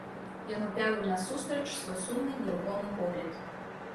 Ён упяў ім насустрач свой сумны нерухомы погляд.